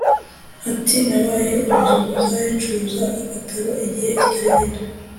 Ati “Nabaye umuzunguzayi ncuruza agataro igihe kitari gito